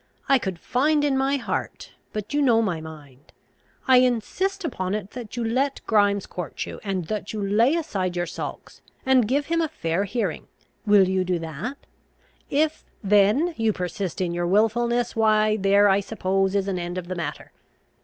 I could find in my heart But you know my mind. I insist upon it that you let Grimes court you, and that you lay aside your sulks, and give him a fair hearing. Will you do that? If then you persist in your wilfulness, why there, I suppose, is an end of the matter.